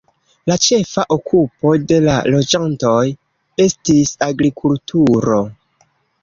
La ĉefa okupo de la loĝantoj estis agrikulturo.